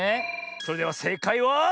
それではせいかいは。